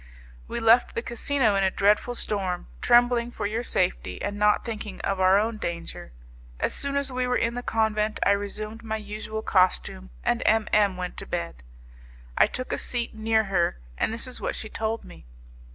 We left the casino in a dreadful storm, trembling for your safety, and not thinking of our own danger. As soon as we were in the convent I resumed my usual costume, and M M went to bed. I took a seat near her, and this is what she told me.